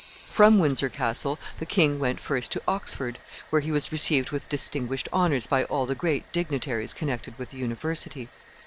From Windsor Castle the king went first to Oxford, where he was received with distinguished honors by all the great dignitaries connected with the University.